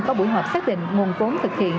có buổi họp xác định nguồn vốn thực hiện